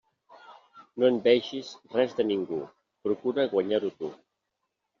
No envegis res de ningú, procura guanyar-ho tu.